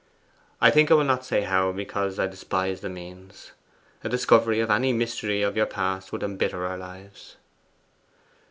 I think I will not say how, because I despise the means. A discovery of any mystery of your past would embitter our lives.